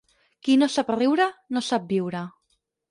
Qui no sap riure, no sap viure.